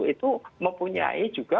itu mempunyai juga